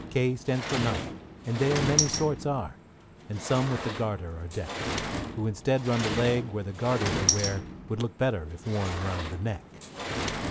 =K= stands for Knight, and there many sorts are, And some with the garter are deck'd; Who instead round the leg, where the garter they wear, Would look better if worn round the neck.